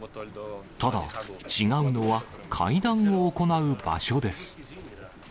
ただ、違うのは会談を行う場所です。